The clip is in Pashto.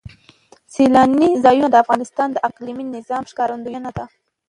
سیلانی ځایونه د افغانستان د اقلیمي نظام ښکارندوی ده.